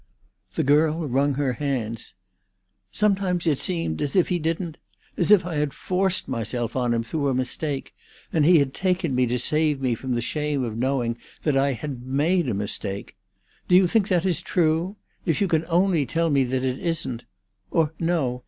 The girl wrung her hands. "Sometimes it seems as if he didn't—as if I had forced myself on him through a mistake, and he had taken me to save me from the shame of knowing that I had made a mistake. Do you think that is true? If you can only tell me that it isn't—Or, no!